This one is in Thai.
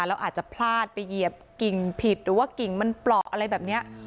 แล้วอาจจะพลาดไปเหยียบกิ่งผิดหรือว่ากิ่งมันเปราะอะไรแบบนี้